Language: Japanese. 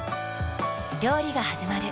料理がはじまる。